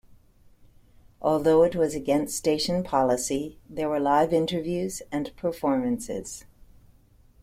Although it was against station policy, there were live interviews and performances.